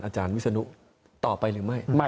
อาจารย์วิศนุต่อไปหรือไม่